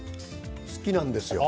好きなんですよ。